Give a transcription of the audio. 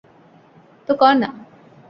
তো কর না।